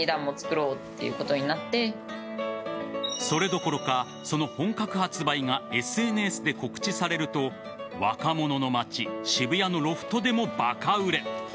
それどころか、その本格発売がＳＮＳで告知されると若者の街渋谷のロフトでもバカ売れ。